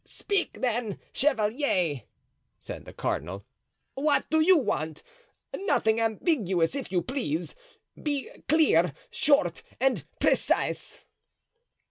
"Speak, then, chevalier!" said the cardinal. "What do you want? Nothing ambiguous, if you please. Be clear, short and precise."